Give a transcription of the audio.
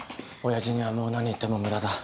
親父にはもう何言っても無駄だ。